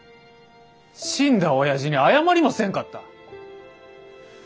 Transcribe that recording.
死んだおやじに謝りもせんかった。